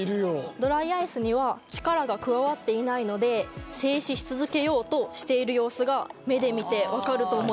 ドライアイスには力が加わっていないので静止し続けようとしている様子が目で見て分かると思います。